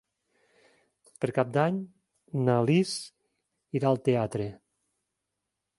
Per Cap d'Any na Lis irà al teatre.